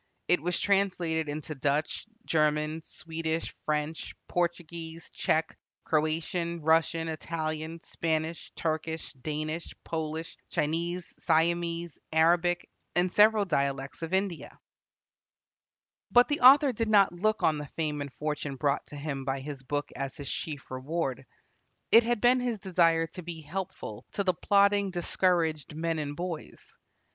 It was translated into Dutch, German, Swedish, French, Portuguese, Czech, Croatian, Russian, Italian, Spanish, Turkish, Danish, Polish, Chinese, Siamese, Arabic, and several dialects of India. But the author did not look on the fame and fortune brought to him by his book as his chief reward. It had been his desire to be helpful to the plodding, discouraged men and boys.